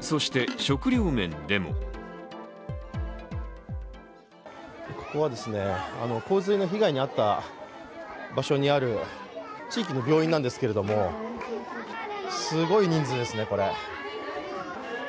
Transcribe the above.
そして、食糧面でもここは洪水の被害に遭った場所にある地域の病院なんですけれども、すごい人数ですね、これ。